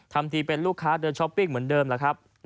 ทำทีเป็นลูกค้าเดินช้อปปิ้งเหมือนเดิมแล้วครับ